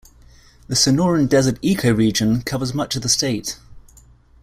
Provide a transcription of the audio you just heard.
The Sonoran Desert ecoregion covers much of the state.